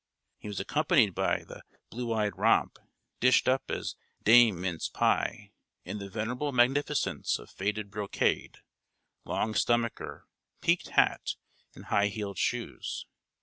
He was accompanied by the blue eyed romp, dished up as "Dame Mince Pie," in the venerable magnificence of faded brocade, long stomacher, peaked hat, and high heeled shoes.